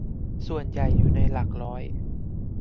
ส่วนใหญ่อยู่ในหลักร้อย